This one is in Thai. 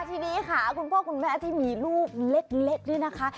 ทีนี้ค่ะคุณพ่อคุณแม่ที่มีลูกเล็กนี่นะคะ